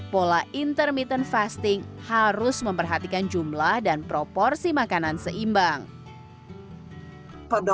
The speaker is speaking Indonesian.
pola intermittent fasting harus memperhatikan jumlah dan proporsi makanan seimbang kalau